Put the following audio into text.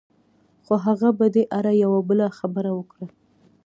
خو هغه په دې اړه يوه بله خبره وکړه.